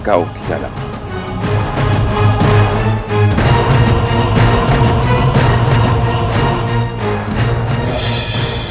kau bisa dapat